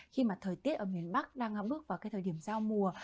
khi mà thời tiết ở miền bắc đang bước vào cái thời điểm giao mùa